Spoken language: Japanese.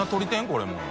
これもう。